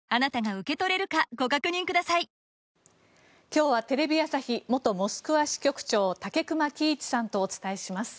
今日はテレビ朝日元モスクワ支局長武隈喜一さんとお伝えします。